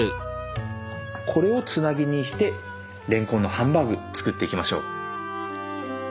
これをつなぎにしてれんこんのハンバーグ作っていきましょう。